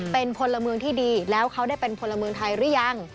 เป็นพลเมืองที่ดีแล้วเขาได้เป็นพลเมืองไทยหรือยัง